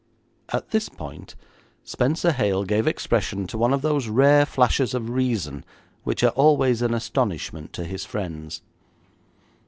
At this point Spenser Hale gave expression to one of those rare flashes of reason which are always an astonishment to his friends.